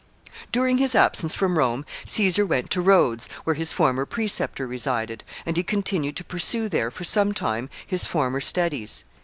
] During his absence from Rome Caesar went to Rhodes, where his former preceptor resided, and he continued to pursue there for some time his former studies.